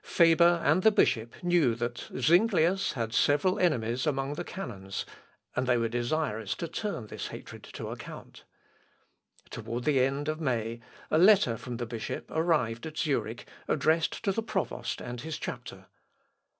Faber and the bishop knew that Zuinglius had several enemies among the canons, and they were desirous to turn this hatred to account. Toward the end of May, a letter from the bishop arrived at Zurich addressed to the provost and his chapter.